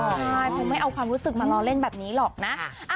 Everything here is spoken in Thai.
ใช่คงไม่เอาความรู้สึกมาล้อเล่นแบบนี้หรอกนะ